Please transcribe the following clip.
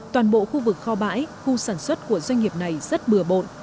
toàn bộ khu vực kho bãi khu sản xuất của doanh nghiệp này rất bừa bộn